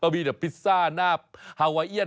มีแต่พิซซ่าหน้าฮาไวเอียน